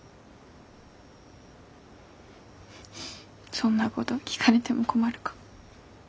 そんなごど聞かれても困るか。